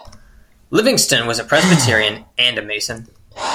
Livingston was a Presbyterian, and a Mason.